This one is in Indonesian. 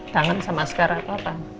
tangan sama maskara apa